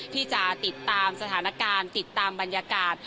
ที่จะติดตามสถานการณ์ติดตามบรรยากาศ